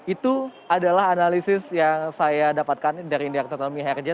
itu adalah analisis yang saya dapatkan dari indiarto tami harja